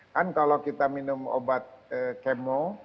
kan kalau kita minum obat kemo